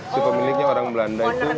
si pemiliknya orang belanda itu